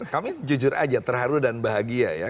kami jujur aja terharu dan bahagia ya